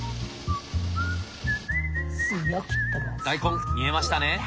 大根煮えましたね！